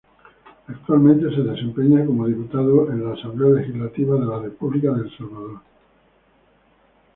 Actualmente se desempeña como diputado en Asamblea Legislativa de la República de El Salvador.